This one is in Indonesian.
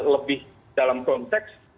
lebih dalam konteks